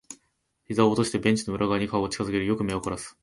膝を落としてベンチの裏側に顔を近づける。よく目を凝らす。